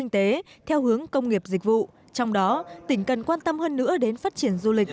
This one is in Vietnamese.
kinh tế theo hướng công nghiệp dịch vụ trong đó tỉnh cần quan tâm hơn nữa đến phát triển du lịch